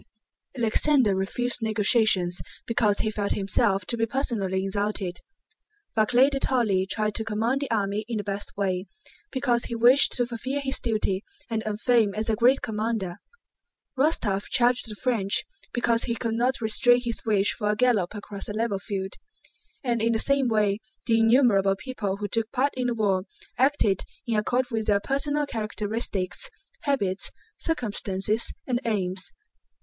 Alexander refused negotiations because he felt himself to be personally insulted. Barclay de Tolly tried to command the army in the best way, because he wished to fulfill his duty and earn fame as a great commander. Rostóv charged the French because he could not restrain his wish for a gallop across a level field; and in the same way the innumerable people who took part in the war acted in accord with their personal characteristics, habits, circumstances, and aims.